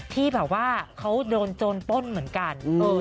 ที่แบบว่าเขาโดนโจรป้นเหมือนกัน